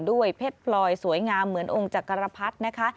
เพชรพลอยสวยงามเหมือนองค์จักรพรรดินะคะ